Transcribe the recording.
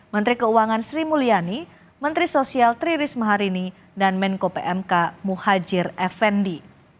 menteri keuangan sri mulyani menteri sosial tri risma harini dan menko pmk muhajir effendi